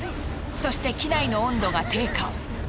そして機内の温度が低下。